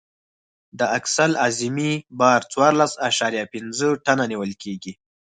د اکسل اعظمي بار څوارلس اعشاریه پنځه ټنه نیول کیږي